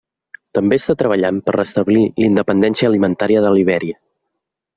També està treballant per restablir la independència alimentària de Libèria.